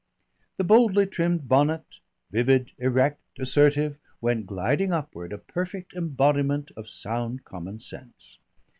The boldly trimmed bonnet, vivid, erect, assertive, went gliding upward, a perfect embodiment of sound common sense.